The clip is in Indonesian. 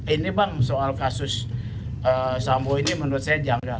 ini bang soal kasus sambo ini menurut saya janggal